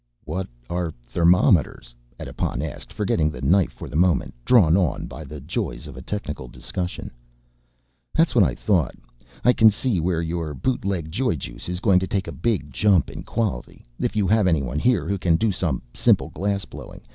"What are thermometers?" Edipon asked, forgetting the knife for the moment, drawn on by the joys of a technical discussion. "That's what I thought. I can see where your bootleg joyjuice is going to take a big jump in quality, if you have anyone here who can do some simple glassblowing.